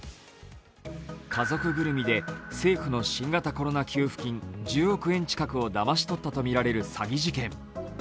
家族ぐるみで政府の新型コロナ給付金１０億円近くをだまし取ったとみられる詐欺事件。